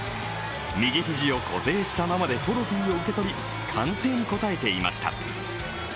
右肘を固定したままでトロフィーを受け取り歓声に応えていました。